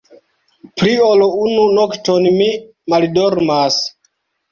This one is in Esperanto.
Pli ol unu nokton mi maldormas!